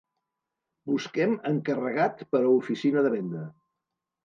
Busquem encarregat per a oficina de venda.